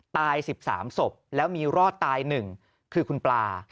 ตาย๑๓ศพแล้วมีรอดตาย๑คือคุณปลา